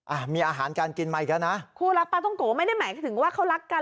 อ่ะมีอาหารการกินมาอีกแล้วนะคู่รักปลาต้องโกไม่ได้หมายถึงว่าเขารักกัน